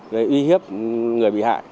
để uy hiếp người bị hại